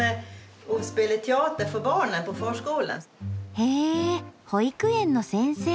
へぇ保育園の先生。